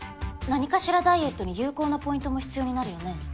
何かしらダイエットに有効なポイントも必要になるよね